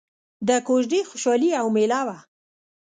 د کوژدې خوشحالي او ميله وه.